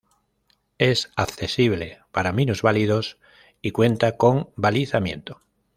Es accesible para minusválidos y cuenta con balizamiento.